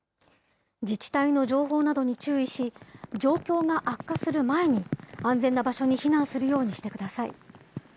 自治体の情報などに注意し、状況が悪化する前に、安全な場所に避難するようにしてください。